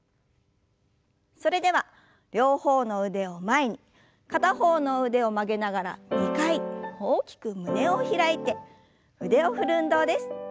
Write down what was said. それでは両方の腕を前に片方の腕を曲げながら２回大きく胸を開いて腕を振る運動です。